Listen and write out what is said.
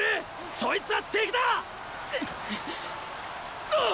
そいつは敵だっ！っ！